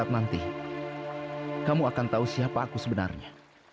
nanti kamu akan tahu siapa aku sebenarnya